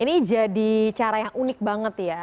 ini jadi cara yang unik banget ya